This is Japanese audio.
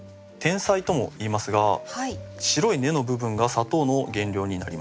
甜菜とも言いますが白い根の部分が砂糖の原料になります。